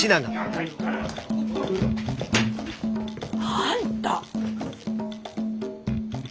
あんた。